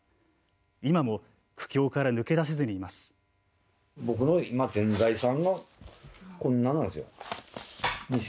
今も苦境から抜け出せずにいます。